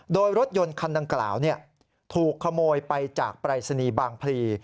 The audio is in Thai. โดยรถยนต์คันดังกล่าวถูกขโมยไปจากปรายศนีย์บางพลี